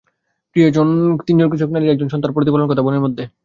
তিনজন কৃষক নারীর একজন সন্তান প্রতিপালনের কথা বনের মধ্যে।